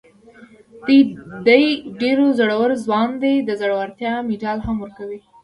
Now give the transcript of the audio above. دی ډېر زړور ځوان دی، د زړورتیا مېډال هم ورکوي.